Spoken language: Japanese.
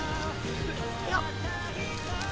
よっ。